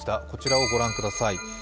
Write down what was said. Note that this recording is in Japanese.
こちらを御覧ください。